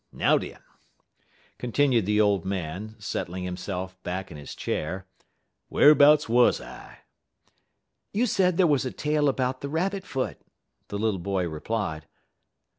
Now, den," continued the old man, settling himself back in his chair, "wharbouts wuz I?" "You said there was a tale about the rabbit foot," the little boy replied.